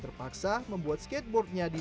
terpaksa membuat skateboardnya di